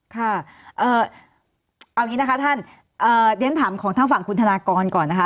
ค่ะเอาอย่างนี้นะคะท่านเรียนถามของทางฝั่งคุณธนากรก่อนนะคะ